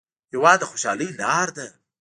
هېواد د خوشحالۍ لار ده.